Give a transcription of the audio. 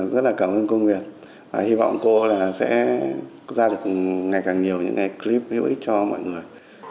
rất là cảm ơn cô nguyệt và hy vọng cô sẽ ra được ngày càng nhiều những clip hữu ích cho mọi người